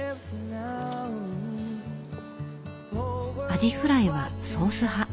アジフライはソース派。